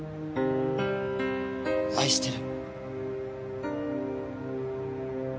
愛してる。